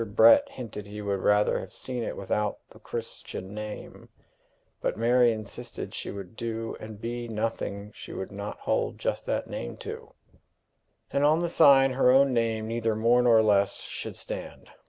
Brett hinted he would rather have seen it without the Christian name; but Mary insisted she would do and be nothing she would not hold just that name to; and on the sign her own name, neither more nor less, should stand.